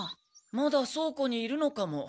まだそう庫にいるのかも。